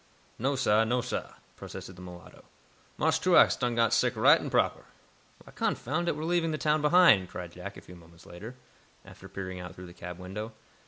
"No, sah; no, sah," protested the mulatto. "Marse Truax done got sick right and proper." "Why, confound it, we're leaving the town behind," cried Jack, a few moments later, after peering out through the cab window.